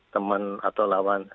teman atau lawan